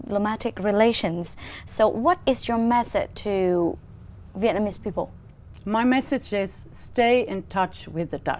tôi nghĩ chúng ta đang cố gắng làm gì để giúp việt nam tăng năng lượng cho phương pháp phát triển năng lượng của chúng ta